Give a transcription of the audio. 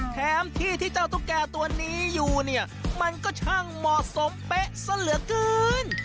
แถมที่ที่เจ้าตุ๊กแก่ตัวนี้อยู่เนี่ยมันก็ช่างเหมาะสมเป๊ะซะเหลือเกิน